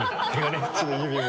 こっちの指も。